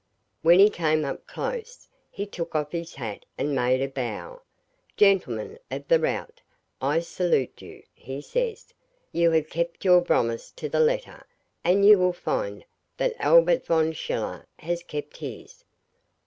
When he came up close, he took off his hat and made a bow. 'Chentlemen of the roat, I salude you,' he says. 'You haf kebt your bromise to the letter, and you will fint that Albert von Schiller has kept his.